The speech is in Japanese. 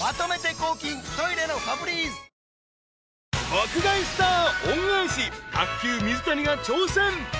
［『爆買い☆スター恩返し』卓球水谷が挑戦］